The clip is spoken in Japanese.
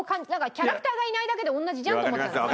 キャラクターがいないだけで同じじゃんと思ってたんですよ。